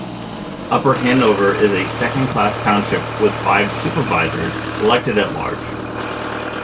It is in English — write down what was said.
Upper Hanover is a second-class township with five supervisors elected at-large.